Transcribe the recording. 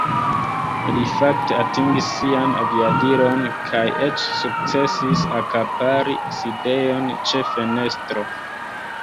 Li fakte atingis sian aviadilon kaj eĉ sukcesis akapari sidejon ĉe fenestro.